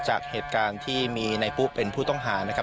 จากเหตุการณ์ที่มีในปุ๊เป็นผู้ต้องหานะครับ